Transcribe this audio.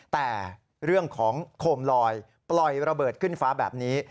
แต่เรื่องของโคมลอยปล่อยระเบิดขึ้นฟ้าแบบนี้